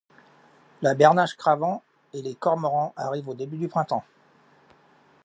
La bernache cravant et les cormorans arrivent au début du printemps.